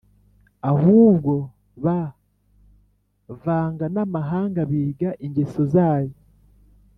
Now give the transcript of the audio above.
Ahubwo b vanga n amahanga Biga ingeso zayo